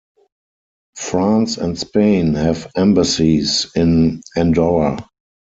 France and Spain have embassies in Andorra.